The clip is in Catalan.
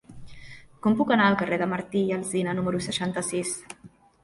Com puc anar al carrer de Martí i Alsina número seixanta-sis?